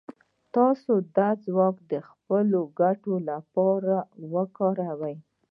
تاسې دا ځواک د خپلو ګټو لپاره وکاروئ.